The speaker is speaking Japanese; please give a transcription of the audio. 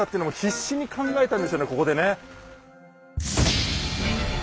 ここでね。